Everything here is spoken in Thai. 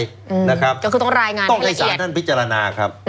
ก็คือต้องรายงานต้องให้สารท่านพิจารณาครับ